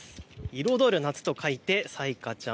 彩る夏と書いて彩夏ちゃん。